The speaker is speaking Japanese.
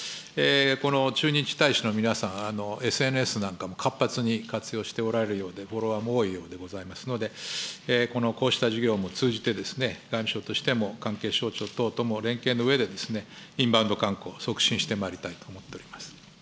この駐日大使の皆さん、ＳＮＳなんかも活発に活用しておられるようで、フォロワーも多いようでございますので、このこうした事業も通じて、外務省としても関係省庁とも連携のうえでインバウンド観光、促進してまいりたいと思っております。